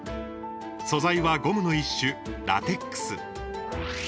素材はゴムの一種、ラテックス。